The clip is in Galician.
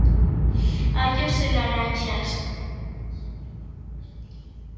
Allos e laranxas.